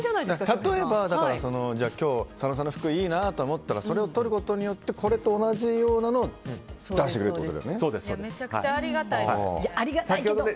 例えば今日佐野さんの服いいなと思ったらそれを撮ることによってこれと同じようなのをめちゃくちゃありがたいですね。